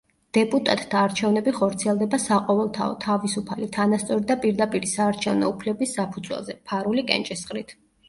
დეპუტატთა არჩევნები ხორციელდება საყოველთაო, თავისუფალი, თანასწორი და პირდაპირი საარჩევნო უფლების საფუძველზე, ფარული კენჭისყრით.